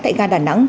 tại ga đà nẵng